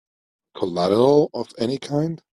Collateral of any kind?